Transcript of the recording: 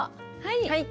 はい。